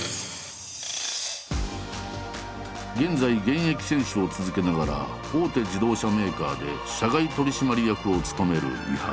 現在現役選手を続けながら大手自動車メーカーで社外取締役を務める井原。